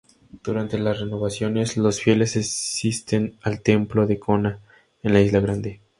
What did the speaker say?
Durante las renovaciones, los fieles asisten al templo de Kona, en la isla grande.